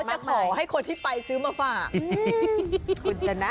เขาจะขอให้คนที่ไปซื้อมาฝาก